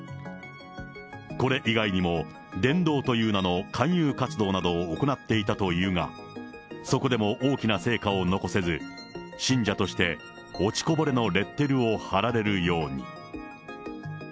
これ以外にも、伝道という名の勧誘活動を行っていたというが、そこでも大きな成果を残せず、信者として落ちこぼれのレッテルを貼られるように。